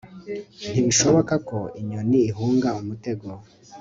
ntibishoboka ko inyoni ihunga umutego